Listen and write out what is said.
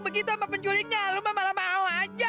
begitu sama penculiknya lo mah malah mau aja